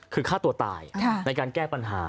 คือฆ่าตัวตายในการแก้ปัญหา